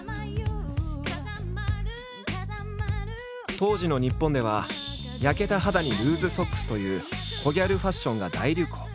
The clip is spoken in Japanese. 当時の日本では焼けた肌にルーズソックスというコギャルファッションが大流行。